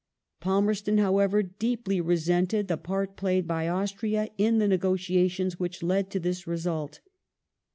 Palmei ston, however, dee})ly resented the part played by Austria in the negotiations which led to this result.